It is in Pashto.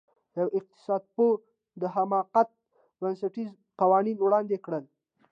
یوه اقتصادپوه د حماقت بنسټیز قوانین وړاندې کړل.